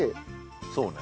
そうね。